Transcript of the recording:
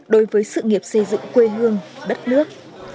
đối với sự nghiệp xây dựng quê hương đất nước